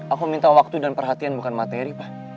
aku minta waktu dan perhatian bukan materi pak